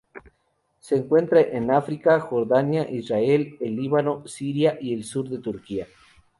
Se encuentran en África, Jordania, Israel, el Líbano, Siria y el sur de Turquía.